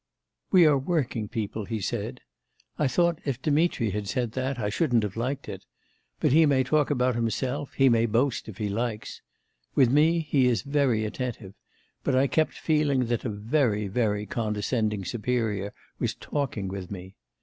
'We are working people,' he said; I thought if Dmitri had said that, I shouldn't have liked it; but he may talk about himself, he may boast if he likes. With me he is very attentive; but I kept feeling that a very, very condescending superior was talking with me.